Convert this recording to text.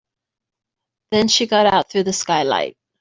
Then she got out through the skylight.